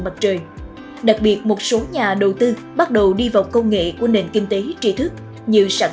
mặt trời đặc biệt một số nhà đầu tư bắt đầu đi vào công nghệ của nền kinh tế trí thức như sản